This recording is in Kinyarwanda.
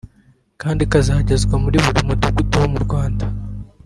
kandi ikazagezwa muri buri mudugudu wo mu Rwanda